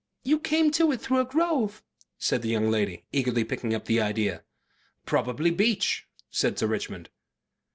"You came to it through a grove," said the young lady, eagerly picking up the idea. "Probably beech," said Sir Richmond.